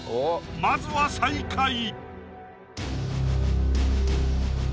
まずは最下位！